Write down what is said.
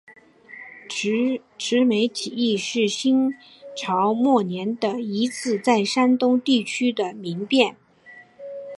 赤眉起义是新朝末年的一次在山东地区的民变。